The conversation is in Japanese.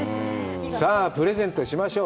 さあ、プレゼントしましょう。